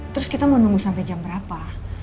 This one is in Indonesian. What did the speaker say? terus kita mau nunggu sampai jam berapa